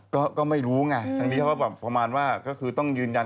ก็ไม่รู้ทางนี้ต้องยืนยัน